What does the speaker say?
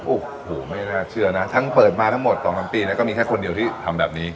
โอ้โหไม่น่าเชื่อนะทั้งเปิดมาทั้งหมด๒๓ปีนะก็มีแค่คนเดียวที่ทำแบบนี้